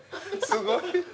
すごい。